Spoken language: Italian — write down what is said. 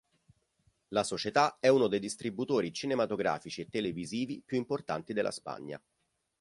La società è uno dei distributori cinematografici e televisivi più importanti della Spagna.